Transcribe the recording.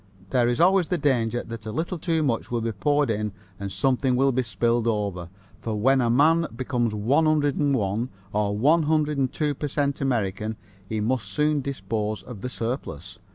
There is always the danger that a little too much will be poured in and something will be spilled over, for when a man becomes 101 or 102 per cent American he must soon dispose of the surplus.